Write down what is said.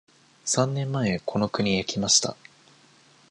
三年前この国へ来ました。